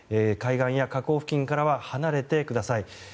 海岸や河口付近からは離れてください。